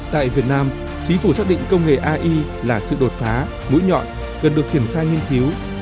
tại việt nam chính phủ xác định công nghệ ai là sự đột phá mũi nhọn gần được triển khai nghiên cứu